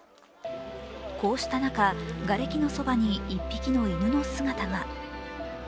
こうした中、がれきのそばに１匹の犬の姿が。